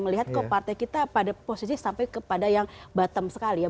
melihat kok partai kita pada posisi sampai kepada yang bottom sekali ya